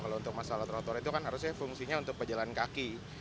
kalau untuk masalah trotoar itu kan harusnya fungsinya untuk pejalan kaki